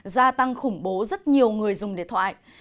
gia tăng khủng bố rất nhiều người dùng điện thoại